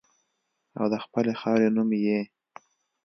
او د خپلې خاورې نوم یې